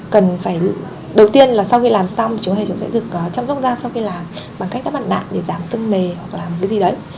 cần phải đầu tiên là sau khi làm xong chúng ta sẽ được chăm sóc da sau khi làm bằng cách táp ẩn đạn để giảm phưng nề hoặc làm cái gì đấy